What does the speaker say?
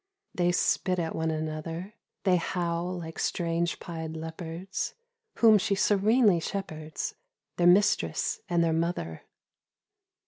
They spit at one another, they howl like strange pied leopards Whom she serenely shepherds, their mistress and their mother.